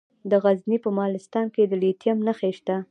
د غزني په مالستان کې د لیتیم نښې شته.